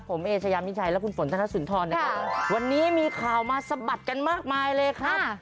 ผมเอเชยามิชัยและคุณฝนธนสุนทรนะครับวันนี้มีข่าวมาสะบัดกันมากมายเลยครับ